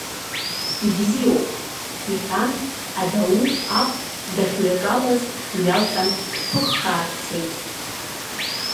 Ибзиоуп, — иҳәан адау ахә дахьыҩаҿалаз дҩалҟьан дԥыхаа дцеит.